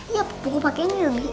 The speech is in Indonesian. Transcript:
iya pukul pakai ini dulu mi